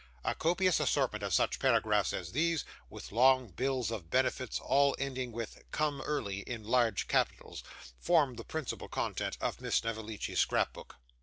A copious assortment of such paragraphs as these, with long bills of benefits all ending with 'Come Early', in large capitals, formed the principal contents of Miss Snevellicci's scrapbook.